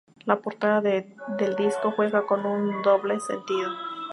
La portada del disco juega con un doble sentido.